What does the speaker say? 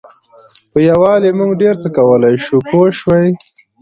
په یووالي موږ ډېر څه کولای شو پوه شوې!.